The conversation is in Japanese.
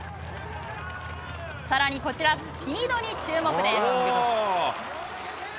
さらにこちら、スピードに注目です。